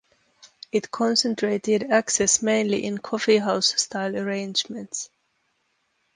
It concentrated access mainly in "coffee-house" style arrangements.